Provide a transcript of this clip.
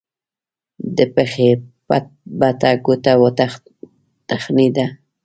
د پښې بټه ګوته وتخنېده.